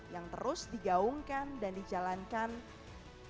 yang terus digaungkan dan dijalankan dari awal